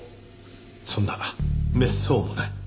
そんなめっそうもない。